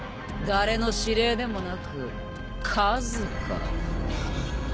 誰の指令でもなく数か？